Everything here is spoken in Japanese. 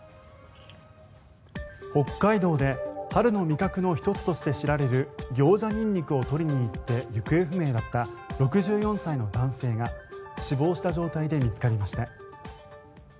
北海道で春の味覚の１つとして知られるギョウジャニンニクを採りに行って行方不明だった６４歳の男性が死亡した状態で見つかりました。